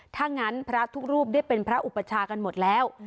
ถ้างั้นพระทุกรูปได้เป็นพระอุปชากันหมดแล้ว